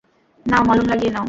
নাও মলম লাগিয়ে নাও।